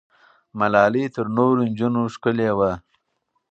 ملالۍ تر نورو نجونو ښکلې وه.